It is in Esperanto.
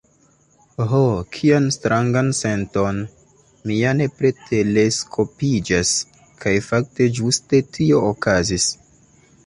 "Ho, kian strangan senton! mi ja nepre teleskopiĝas!" Kaj fakte ĝuste tio okazis.